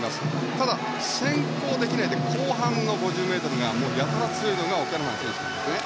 ただ、先行しないで後半の５０ｍがやたら強いのがオキャラハン選手なんですね。